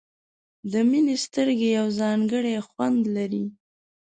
د مینې سترګې یو ځانګړی خوند لري.